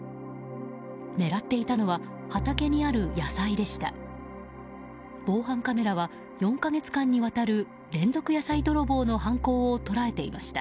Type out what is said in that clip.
狙っていたのは畑にある野菜でした。